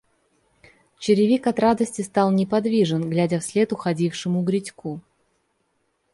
Черевик от радости стал неподвижен, глядя вслед уходившему Грицьку.